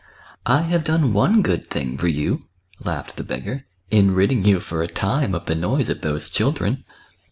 " I have done one good thing for you," laughed the beggar, " in ridding you, for a time, of the noise of those children."